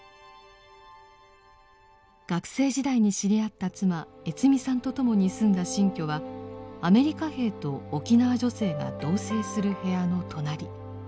学生時代に知り合った妻悦美さんと共に住んだ新居はアメリカ兵と沖縄女性が同せいする部屋の隣。